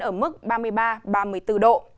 ở mức ba mươi ba ba mươi bốn độ